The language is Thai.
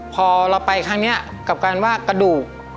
พอเราไปครั้งนี้กับการว่ากระดูก